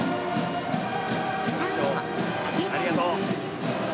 「ありがとう！」